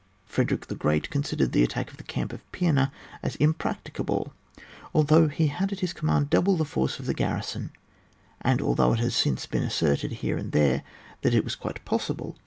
Frederick the Great considered the attack of the camp of Pima as im practicable, although he hckd at his com mand double the fbrce of the garrison ; and although it has been since asserted, here and there, that it was quite possible 12 ON WAR.